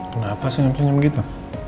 kenapa senyum senyum gitu